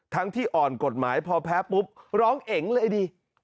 ที่อ่อนกฎหมายพอแพ้ปุ๊บร้องเอ๋งเลยดี